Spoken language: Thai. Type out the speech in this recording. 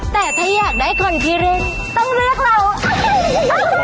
แต่ถ้าอยากได้คนที่เรียนต้องเลือกเรา